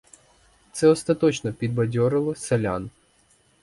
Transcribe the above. Це остаточно підбадьорило селян.